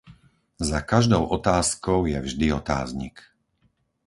Za každou otázkou je vždy otáznik.